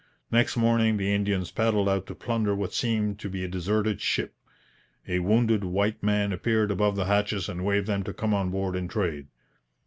Next morning the Indians paddled out to plunder what seemed to be a deserted ship. A wounded white man appeared above the hatches and waved them to come on board and trade.